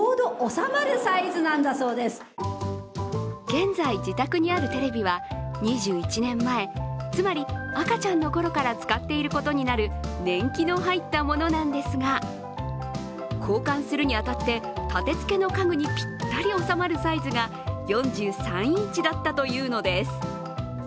現在、自宅にあるテレビは２１年前、つまり、赤ちゃんの頃から使っていることになる年季の入ったものなんですが、交換するにあたって建て付けの家具にぴったり収まるサイズが４３インチだったというのです。